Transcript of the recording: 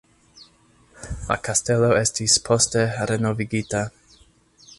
La kastelo estis poste renovigita.